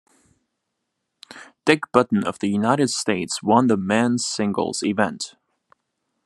Dick Button of the United States won the men's singles event.